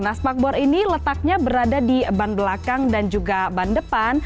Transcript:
nah sparkboard ini letaknya berada di ban belakang dan juga ban depan